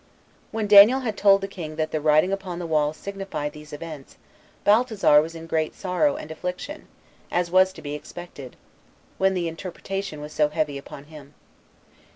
4. When Daniel had told the king that the writing upon the wall signified these events, Baltasar was in great sorrow and affliction, as was to be expected, when the interpretation was so heavy upon him.